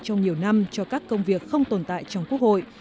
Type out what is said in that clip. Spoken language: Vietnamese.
trong nhiều năm cho các công việc không tồn tại trong quốc hội